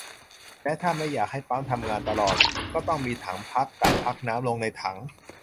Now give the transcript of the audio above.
และถ้าไม่อยากให้ปั๊มทำงานตลอด ก็ต้องมีถังพัก การพักน้ำลงในถัง